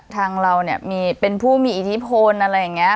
ทางเราเนี่ยมีเป็นผู้มีอิทธิพลอะไรอย่างนี้